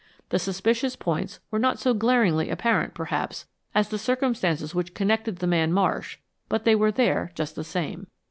The suspicious points were not so glaringly apparent, perhaps, as the circumstances which connected the man Marsh, but they were there just the same.